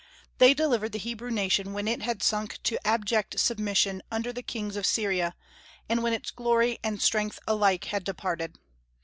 They delivered the Hebrew nation when it had sunk to abject submission under the kings of Syria, and when its glory and strength alike had departed.